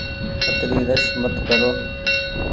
اتري رس مت ڪرو۔